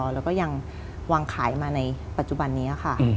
แล้วก็ยังวางขายมาในปัจจุบันนี้ค่ะ